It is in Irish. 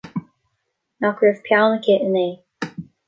Nach raibh peann aici inné